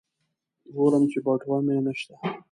ګورم چې بټوه مې نشته.